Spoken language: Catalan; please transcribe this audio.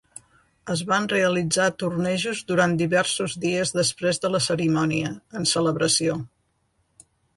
Es van realitzar tornejos durant diversos dies després de la cerimònia, en celebració.